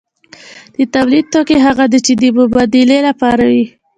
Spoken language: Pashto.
د تولید توکي هغه دي چې د مبادلې لپاره وي.